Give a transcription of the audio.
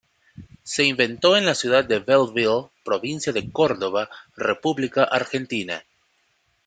Se inventó en la ciudad de Bell Ville, Provincia de Córdoba, República Argentina.